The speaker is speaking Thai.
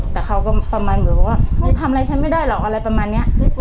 แต่เขาก็ประมาณเหมือนว่ามึงทำอะไรฉันไม่ได้หรอกอะไรประมาณนี้